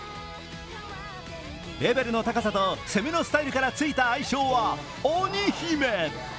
レベルの高さと攻めのスタイルからついた愛称は鬼姫。